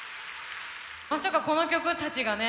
まさかこの曲たちがね